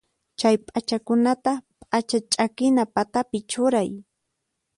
Chay p'achakunata p'acha ch'akina patapi churay.